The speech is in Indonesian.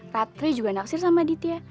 ratri juga naksir sama aditya